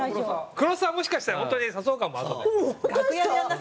黒沢もしかしたら本当に誘うかもあとで。